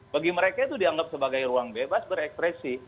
bagi mereka itu dianggap sebagai ruang bebas berekspresi